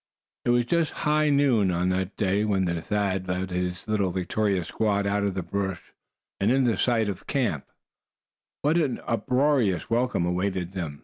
It was just high noon on that day when Thad led his little victorious squad out of the brush, and in sight of the camp. What an uproarious welcome awaited them!